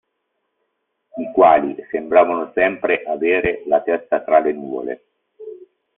I quali sembravano sempre avere la testa tra le nuvole.